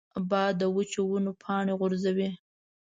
باد د وچو ونو پاڼې غورځوي